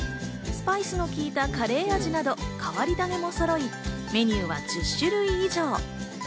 スパイスの効いたカレー味など、変わり種もそろうメニューは１０種類以上。